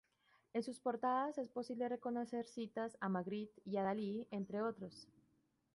En sus portadas es posible reconocer citas a Magritte y Dali, entre otros.